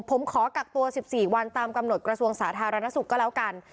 ผมขอกักตัว๑๔วันตามกำหนดกระทรวงสาธารณสุขก็แล้วกัน